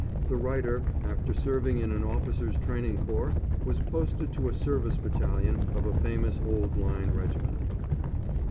The writer after serving in an Officers' Training Corps, was posted to a Service battalion of a famous old Line regiment.